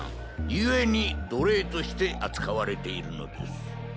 ゆえに奴隷として扱われているのです。